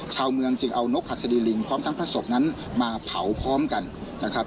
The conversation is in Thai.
ชาวเมืองจึงเอานกหัสดีลิงพร้อมทั้งพระศพนั้นมาเผาพร้อมกันนะครับ